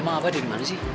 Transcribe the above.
emang abah ada dimana sih